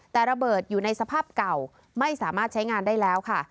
แต่ระเบิดอยู่ในสภาพเก่าไม่สามารถใช้งานได้แล้วค่ะ